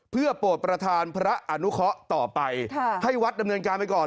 เพื่อโปรดประธานพระอนุเคาะต่อไปให้วัดดำเนินการไปก่อน